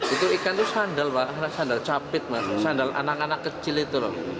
itu ikan itu sandal pak sandal capit mas sandal anak anak kecil itu loh